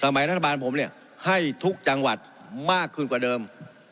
รัฐบาลผมเนี่ยให้ทุกจังหวัดมากขึ้นกว่าเดิม